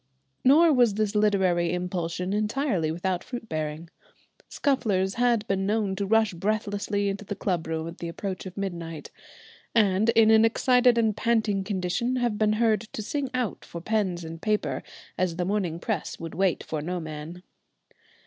Nor was this literary impulsion entirely without fruit bearing. Scufflers had been known to rush breathlessly into the club room at the approach of midnight, and in an excited and panting condition have been heard to sing out for pens and paper, as the morning press would wait for no man.